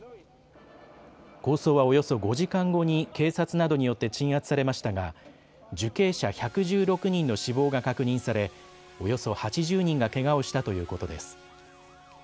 抗争はおよそ５時間後に警察などによって鎮圧されましたが受刑者１１６人の死亡が確認されおよそ８０人がけがをしたということです。